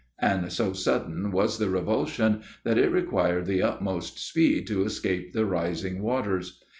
and so sudden was the revulsion, that it required the utmost speed to escape the rising waters.